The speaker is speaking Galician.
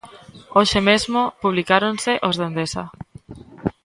Hoxe mesmo publicáronse os de Endesa.